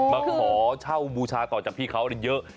มาขอเช่าบูชาต่อจากพี่เขาเยอะ